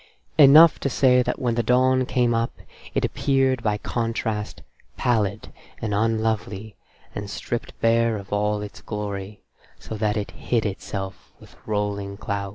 Enough to say that when the dawn came up it appeared by contrast pallid and unlovely and stripped bare of all its glory, so that it hid itself with rolling clouds.